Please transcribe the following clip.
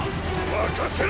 ⁉任せろ！